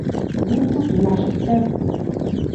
Ён тут, у нашых сэрцах.